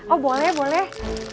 oh boleh boleh